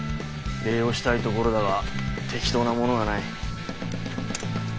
礼をしたいところだが適当なものがない。